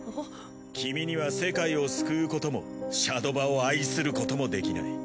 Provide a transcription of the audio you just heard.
君には世界を救うこともシャドバを愛することもできない。